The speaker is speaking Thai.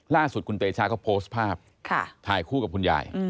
ล่าสุดคุณเตชะก็โพสต์ภาพถ่ายคู่กับคุณยาย